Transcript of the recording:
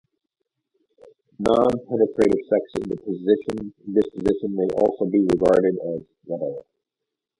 Non-penetrative sex in this position may also be regarded as doggy style sex.